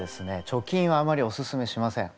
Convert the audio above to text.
貯金はあまりおすすめしません。